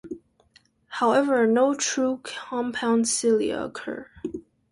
However, no true compound cilia occur.